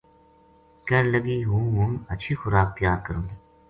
کہن لگی ہوں ہن ہچھی خوراک تیار کروں گی